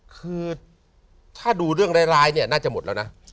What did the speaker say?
คือถ้าดูเรื่องร้ายเนี่ยน่าจะหมดแล้วนะ